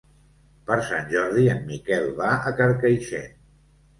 Per Sant Jordi en Miquel va a Carcaixent.